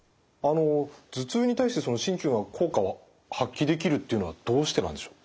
頭痛に対してその鍼灸が効果を発揮できるっていうのはどうしてなんでしょう？